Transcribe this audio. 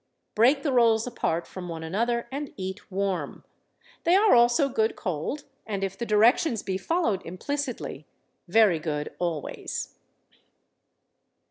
Break the rolls apart from one another and eat warm. They are also good cold, and if the directions be followed implicitly, very good always.